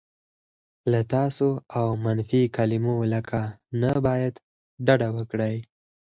له "تاسو" او منفي کلیمو لکه "نه باید" ډډه وکړئ.